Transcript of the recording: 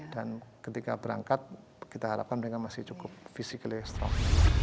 dan ketika berangkat kita harapkan mereka masih cukup physically strong